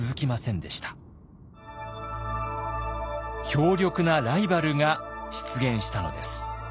強力なライバルが出現したのです。